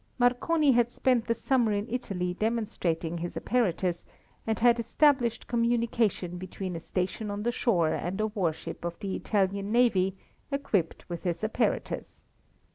Marconi had spent the summer in Italy demonstrating his apparatus, and had established communication between a station on the shore and a war ship of the Italian Navy equipped with his apparatus.